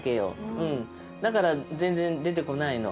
だから全然出てこないの。